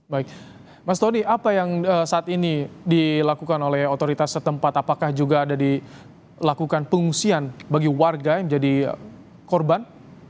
baik mas tony apa yang saat ini dilakukan oleh otoritas setempat apakah juga ada dilakukan pengungsian bagi warga yang menjadi korban